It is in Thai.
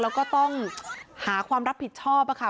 แล้วก็ต้องหาความรับผิดชอบค่ะ